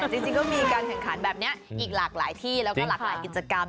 จริงก็มีการแข่งขันแบบนี้อีกหลากหลายที่แล้วก็หลากหลายกิจกรรม